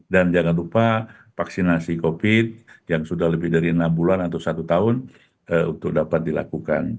dan jangan lupa vaksinasi covid yang sudah lebih dari enam bulan atau satu tahun untuk dapat dilakukan